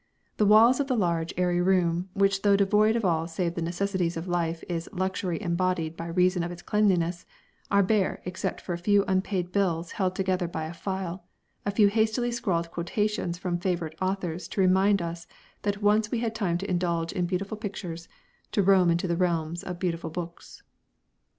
The walls of the large, airy room, which though devoid of all save the necessities of life is luxury embodied by reason of its cleanliness, are bare except for a few unpaid bills held together by a file, a few hastily scrawled quotations from favourite authors to remind us that we once had time to indulge in beautiful pictures, to roam into the realms of beautiful books.